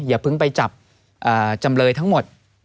อย่าเพิ่งไปจับจำเลยทั้งหมด